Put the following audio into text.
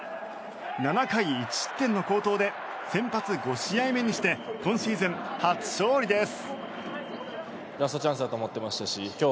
７回１失点の好投で先発５試合目にして今シーズン初勝利です。